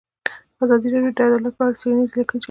ازادي راډیو د عدالت په اړه څېړنیزې لیکنې چاپ کړي.